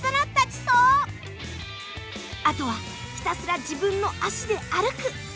あとはひたすら自分の足で歩く。